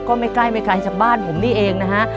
ก็ไม่ใกล้ผมนี่เองนะฮะ